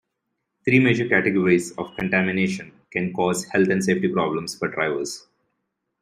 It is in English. Three major categories of contamination can cause health and safety problems for divers.